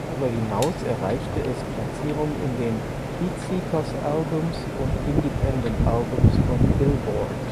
Darüber hinaus erreichte es Platzierungen in den "Heatseekers Albums" und "Independent Albums" von Billboard.